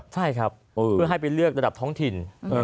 ใช่ครับเพื่อให้ไปเลือกระดับท้องถิ่น